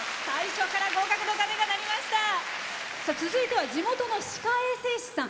続いては地元の歯科衛生士さん。